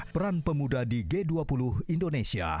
peran pemuda di g dua puluh indonesia